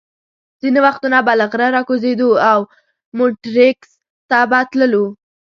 ځینې وختونه به له غره را کوزېدو او مونیټریکس ته به تللو.